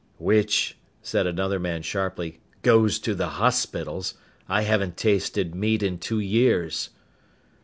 "Which," said another man sharply, "goes to the hospitals! I haven't tasted meat in two years!"